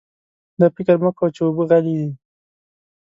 دا فکر مه کوه چې اوبه غلې دي.